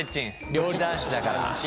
料理男子だから。